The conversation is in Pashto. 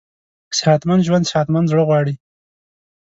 صحتمند ژوند صحتمند زړه غواړي.